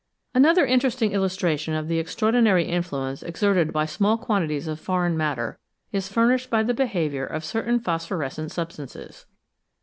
Another interesting illustration of the extraordinary influence exerted by small quantities of foreign matter is furnished by the behaviour of certain phosphorescent substances.